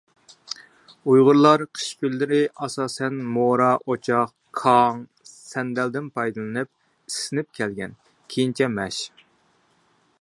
ئۇيغۇرلار قىش كۈنلىرى ئاساسەن مورا ئوچاق، كاڭ، سەندەلدىن پايدىلىنىپ ئىسسىنىپ كەلگەن، كېيىنچە مەش.